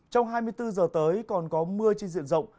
trong hai mươi bốn giờ tới còn có mưa trên diện rộng